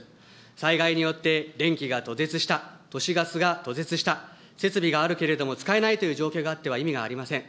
災害によって電気が途絶した、都市ガスが途絶した、設備があるけれども、使えないという状況があっては意味がありません。